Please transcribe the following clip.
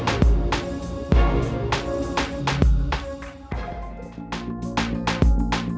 ไอ้พี่ดูให้ดูก่อน